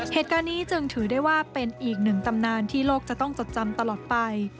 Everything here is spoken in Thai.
เหตุการณ์นี้จึงถือได้ว่าเป็นอีกหนึ่งตำนานที่โลกจะต้องจดจำตลอดไป